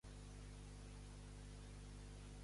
Et sona quin medicament m'he de prendre cada sis hores?